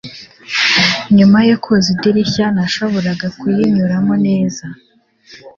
nyuma yo koza idirishya, nashoboraga kuyinyuramo neza